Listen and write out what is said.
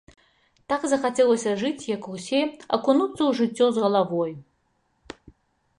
Так захацелася жыць, як усе, акунуцца ў жыццё з галавой.